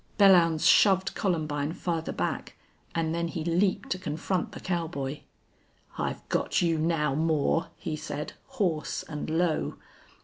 Belllounds shoved Columbine farther back, and then he leaped to confront the cowboy. "I've got you now, Moore," he said, hoarse and low.